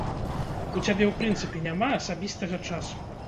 У цябе ў прынцыпе няма асабістага часу.